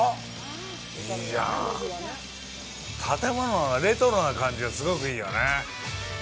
建物のレトロな感じがすごくいいよね。